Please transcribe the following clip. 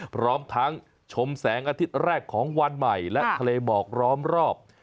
พร้อมทั้งชมแสงอาทิตย์แรกของวันใหม่และทะเลหมอกล้อมรอบ